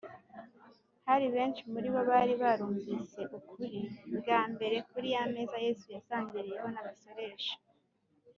hari benshi muri bo bari barumvise ukuri bwa mbere kuri ya meza yesu yasangiriyeho n’abasoresha,